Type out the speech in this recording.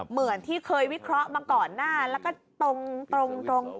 เหมือนที่เคยวิเคราะห์มาก่อนหน้าแล้วก็ตรง